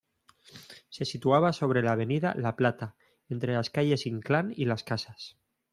Se situaba sobre la Avenida La Plata entre las calles Inclán y Las Casas.